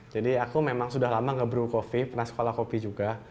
jadi aku memang sudah lama nggak brew kopi pernah sekolah kopi juga